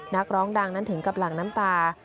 นักร้องดังนั้นถึงกับหลั่งน้ำตา